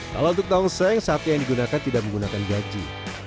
kalau untuk tongseng sate yang digunakan tidak menggunakan gaji